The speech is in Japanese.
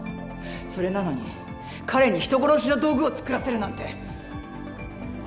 それなのに彼に人殺しの道具を作らせるなんて。